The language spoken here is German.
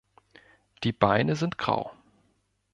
Die Beine sind grau.